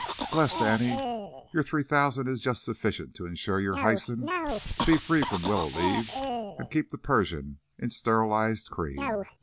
"Blessed auntie, your three thousand is just sufficient to insure your Hyson to be free from willow leaves and keep the Persian in sterilized cream.